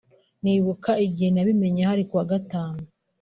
nibuka igihe nabimenye hari kuwa Gatanu